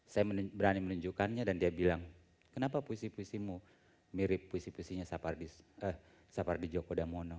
saya berani menunjukkannya dan dia bilang kenapa puisi puisimu mirip puisi puisinya sapardi joko damono